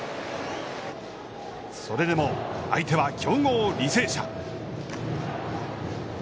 それでも相手は強豪履正社。